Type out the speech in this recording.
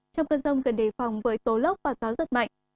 trong cơn rông cần đề phòng với tố lốc và gió rất mạnh